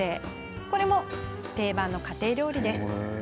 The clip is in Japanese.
これも定番の家庭料理です。